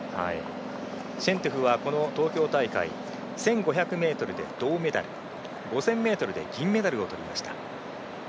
シェントゥフはこの東京大会１５００ｍで銅メダル５０００ｍで銀メダルを取りました。